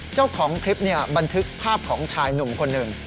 เจ้าของคลิปบันทึกภาพของชายหนุ่มคนหนึ่ง